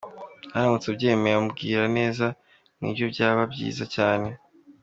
Aramutse abyemeye umubwira neza nibyo byaba byiza cyane.